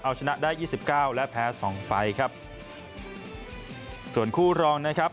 เอาชนะได้ยี่สิบเก้าและแพ้สองไฟล์ครับส่วนคู่รองนะครับ